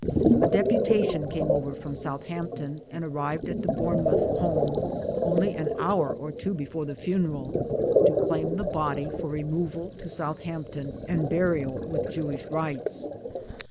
A deputation came over from Southampton and arrived at the Bournemouth home only an hour or two before the funeral to claim the body for removal to Southampton and burial with Jewish rites.